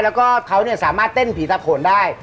แล้วก็เขาสามารถเต้นผีตาโขนได้